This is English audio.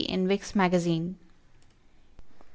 T. in Vick's Magazine.